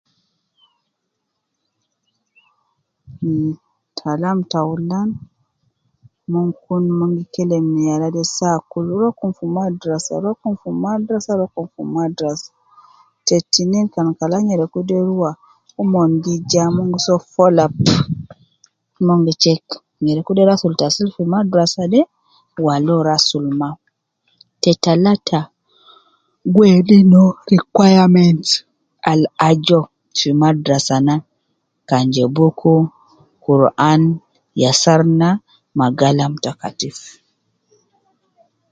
Mmm kalam taulan mon kun mon gi kelem ne yala saa kul rokum fi madrasa, rokum fi madrasa rokum fi madrasa, te tinin kan kala yala de nyereku de rua omon gi jaa omon gi soo follow up omon gi check nyereku de rasul tasil fi madrasa de wala uwo rasul maa, te talata gu wedi noo requirements al aju uwo fi madrasa kan ja book, Kuru an ,yasarna ma galam ta katifu